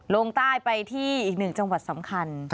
ลงใต้ไปที่อีกหนึ่งจังหวัดสำคัญ